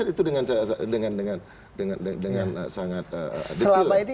itu dengan sangat detail